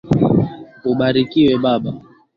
Ubarikiwe baba.